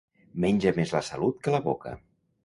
Menja més la salut que la boca.